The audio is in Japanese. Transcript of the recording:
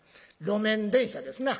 路面電車ですな。